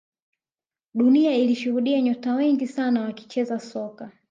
dunia ilishuhudia nyota wengi sana wakicheza soka